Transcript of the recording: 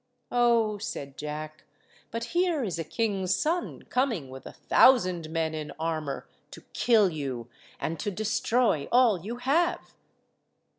"Oh," said Jack, "but here is a king's son coming with a thousand men in armour to kill you, and to destroy all you have."